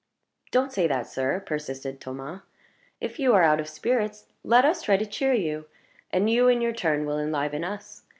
"Don't say that, sir," persisted Thomas. "If you are out of spirits, let us try to cheer you. And you, in your turn, will enliven us.